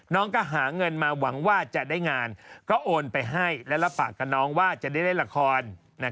น้องก็หาเงินมาหวังว่าจะได้งานก็โอนไปให้และรับปากกับน้องว่าจะได้เล่นละคร